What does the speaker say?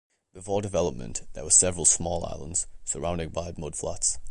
Before development, there were several small islands, surrounded by mudflats.